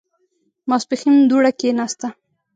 ماسپښين دوړه کېناسته.